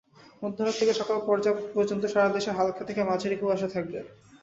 মধ্যরাত থেকে সকাল পর্যন্ত সারা দেশে হালকা থেকে মাঝারি কুয়াশা থাকবে।